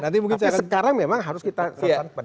tapi sekarang memang harus kita santan